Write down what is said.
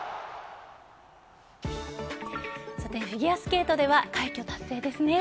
さて、フィギュアスケートでは快挙達成ですね。